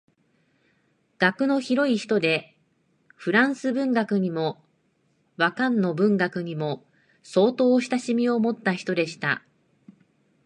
学の広い人で仏文学にも和漢の文学にも相当親しみをもった人でした